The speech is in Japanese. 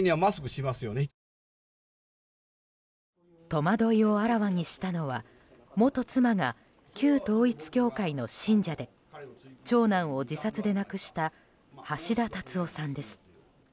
戸惑いをあらわにしたのは元妻が旧統一教会の信者で長男を自殺で亡くした橋田達夫さんです。